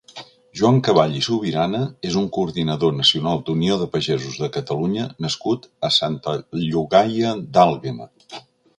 Joan Caball i Subirana és un coordinador nacional d'Unió de Pagesos de Catalunya nascut a Santa Llogaia d'Àlguema.